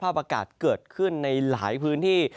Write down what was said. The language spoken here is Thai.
อากาศเกิดขึ้นในหลายพื้นที่